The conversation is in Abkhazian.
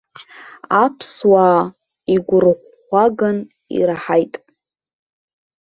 Аԥсуаа игәырӷәӷәаган ираҳаит.